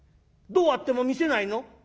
どうあっても見せないの？